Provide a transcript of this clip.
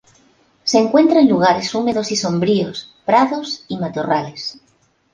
Se encuentra en lugares húmedos y sombríos, prados y matorrales.